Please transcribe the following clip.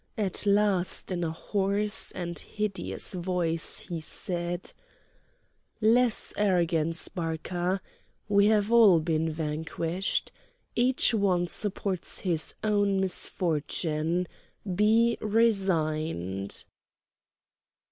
At last in a hoarse and hideous voice he said: "Less arrogance, Barca! We have all been vanquished! Each one supports his own misfortune! Be resigned!"